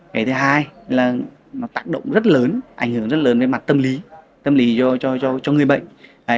cái thứ hai là nó tác động rất lớn ảnh hưởng rất lớn về mặt tâm lý tâm lý cho người bệnh